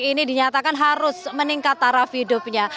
ini dinyatakan harus meningkat taraf hidupnya